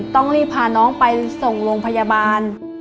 ต้องรีบพาน้องไปส่งโรงพยาบาล